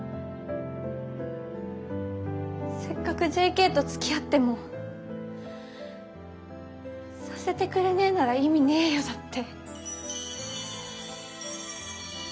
「せっかくＪＫとつきあってもさせてくれねえなら意味ねえよ」だって。